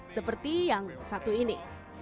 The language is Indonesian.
seperti yang satu ini